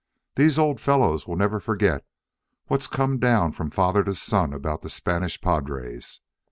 These old fellows will never forget what's come down from father to son about the Spanish padres.